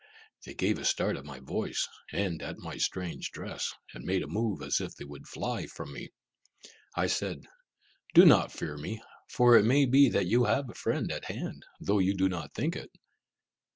They gave a start at my voice and at my strange dress, and made a move as if they would fly from me. I said, "Do not fear me, for it may be that you have a friend at hand, though you do not think it."